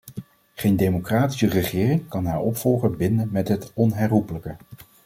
Geen democratische regering kan haar opvolger binden met het onherroepelijke.